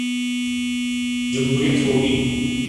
جمہوریت ہو گی۔